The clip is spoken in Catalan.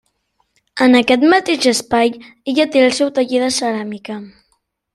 En aquest mateix espai ella té el seu taller de ceràmica.